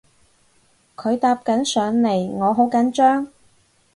佢搭緊上嚟我好緊張